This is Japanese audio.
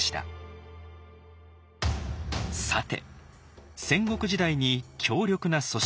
さて戦国時代に強力な組織